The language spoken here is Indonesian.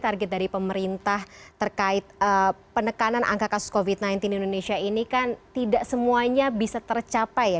target dari pemerintah terkait penekanan angka kasus covid sembilan belas di indonesia ini kan tidak semuanya bisa tercapai ya